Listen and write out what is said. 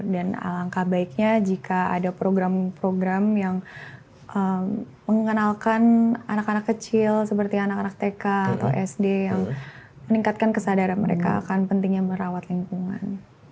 dan alangkah baiknya jika ada program program yang mengenalkan anak anak kecil seperti anak anak tk atau sd yang meningkatkan kesadaran mereka akan pentingnya merawat lingkungan